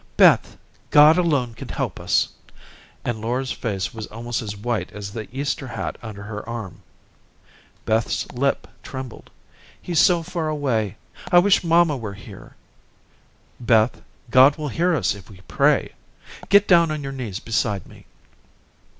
"Beth, God alone can help us," and Laura's face was almost as white as the Easter hat under her arm. Beth's lip trembled. "He's so far away. I wish mamma were here." "Beth, God will hear us if we pray. Get down on your knees beside me."